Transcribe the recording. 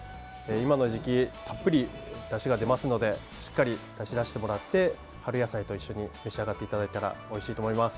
今の時期たっぷりだしが出ますのでしっかり、だしを出してもらって春野菜と一緒に召し上がっていただいたらおいしいと思います。